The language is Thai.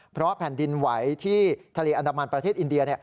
เพราะแผ่นดินไหวที่ทะเลอันดามันประเทศอินเดีย